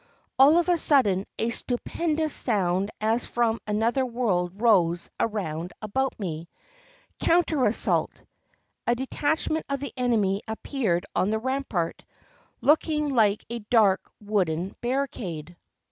All of a sudden a stupendous sound as from another world rose around about me. " Counter assault !" A detachment of the enemy appeared on the rampart, looking like a dark wooden barricade.